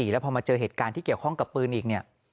แล้วพอมาเจอเหตุการณ์ที่เกี่ยวข้องกับปืนอีกเนี่ย